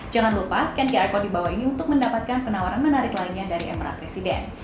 jangan lupa scan qr code di bawah ini untuk mendapatkan penawaran menarik lainnya dari emerald resident